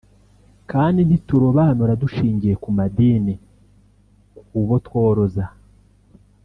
kandi ntiturobanura dushingiye ku madini ku botworoza